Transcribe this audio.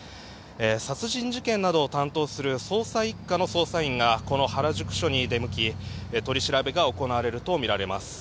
殺人事件などを担当する捜査１課の捜査員がこの原宿署に出向き、取り調べが行われるとみられます。